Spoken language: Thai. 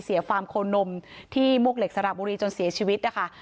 ฟาร์มโคนมที่มวกเหล็กสระบุรีจนเสียชีวิตนะคะ